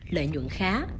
lợi nhuận khá